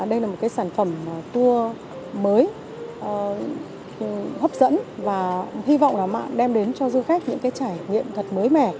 đây là một sản phẩm tour mới hấp dẫn và hy vọng đem đến cho du khách những trải nghiệm thật mới mẻ